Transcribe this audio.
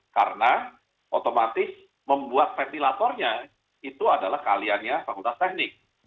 karena otomatis membuat ventilatornya itu adalah kaliannya fakultas teknik